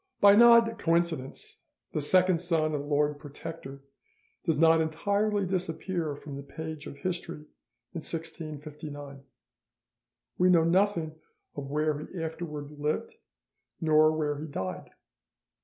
By an odd coincidence the second son of the Lord Protector does entirely disappear from the page of history in 1659; we know nothing of where he afterwards lived nor when he died.